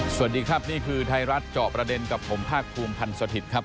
สวัสดีครับนี่คือไทยรัฐเจาะประเด็นกับผมภาคภูมิพันธ์สถิตย์ครับ